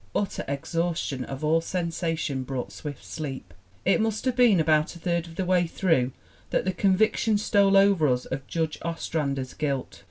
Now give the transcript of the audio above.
Utter exhaustion of all sensation brought swift sleep. ... It must have been about a third of the way through that the conviction stole over us of Judge Ostrander's guilt.